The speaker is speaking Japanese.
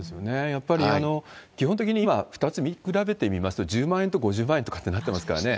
やっぱり基本的に今、２つ見比べてみますと、１０万円と５０万円とかってなってますからね。